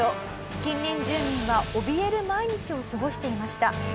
近隣住民はおびえる毎日を過ごしていました。